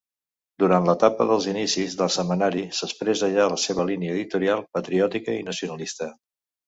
Durant l'etapa dels inicis del setmanari, s'expressa ja la seva línia editorial patriòtica i nacionalista.